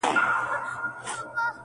و ماته عجيبه دي توري د .